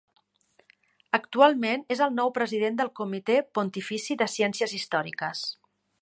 Actualment és el nou president del Comitè Pontifici de Ciències Històriques.